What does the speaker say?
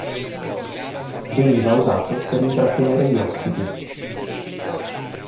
Veniva usato per intrattenere gli ospiti.